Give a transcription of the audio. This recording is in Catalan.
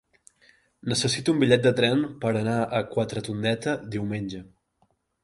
Necessito un bitllet de tren per anar a Quatretondeta diumenge.